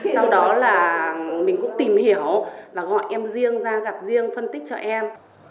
sau đó là mình cũng tìm hiểu và gọi em riêng ra gặp riêng phân tích cho em